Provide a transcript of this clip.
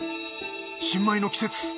新米の季節。